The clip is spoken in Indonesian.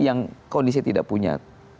yang kondisi tidak punya